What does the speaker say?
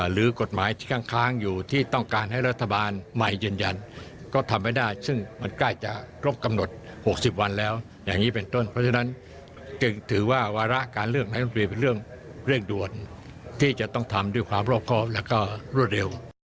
หรือกตนข้างอยู่ที่ต้องการให้รัฐบาลใหม่เย็นก็ทำไว้ได้ซึ่งกล้ายจะรบกำหนด๖๐วันแล้วอย่างนี้เป็นต้นเพราะฉะนั้นถือว่าวาระกาลเลือกยั้งพวกเรียกเรื่องเรียวกดวนที่จะต้องทำด้วยความรบครอบและก็รวดเร็ว